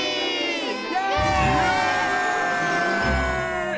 イエーイ！